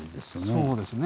そうですね。